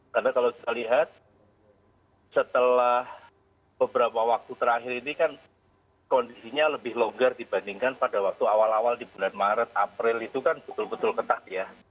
karena kalau kita lihat setelah beberapa waktu terakhir ini kan kondisinya lebih longgar dibandingkan pada waktu awal awal di bulan maret april itu kan betul betul ketat ya